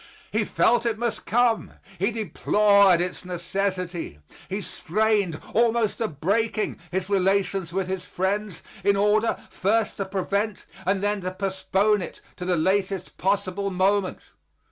He felt it must come; he deplored its necessity; he strained almost to breaking his relations with his friends, in order, first to prevent and then to postpone it to the latest possible moment.